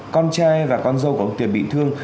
con trai và con dâu của ông tiền bị thương